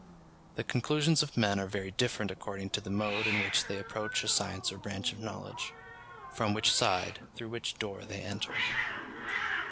The conclusions of men are very different according to the mode in which they approach a science or branch of knowledge; from which side, through which door they enter.